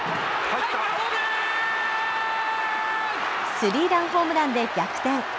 スリーランホームランで逆転。